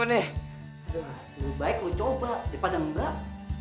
aduh lebih baik lo coba daripada ngelak